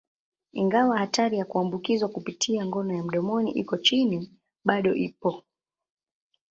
Ingawa hatari ya kuambukizwa kupitia ngono ya mdomoni iko chini, bado ipo.